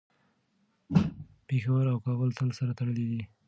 پېښور او کابل تل سره تړلي دي.